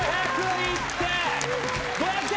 ５０１点！